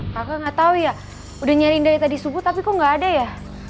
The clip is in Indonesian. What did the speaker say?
kakak gak tau ya udah nyariin dari tadi subuh tapi kok gak ada ya